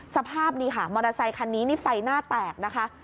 สภาพนี่ค่ะมอเตอร์ไซคันนี้นี่ไฟหน้าแตกนะคะ